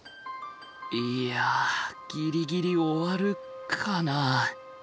いやギリギリ終わるかな。